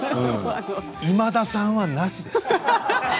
今田さんはなしです。